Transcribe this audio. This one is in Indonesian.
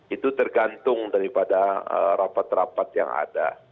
itu tergantung daripada rapat rapat yang ada